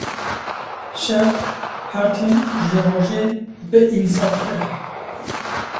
Şev her tim ji rojê biînsaftir e.